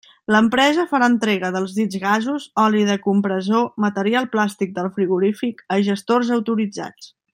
L'empresa farà entrega dels dits gasos, oli del compressor, material plàstic del frigorífic a gestors autoritzats.